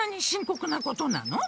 こくなことなの？